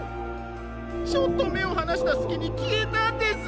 ちょっとめをはなしたすきにきえたんです。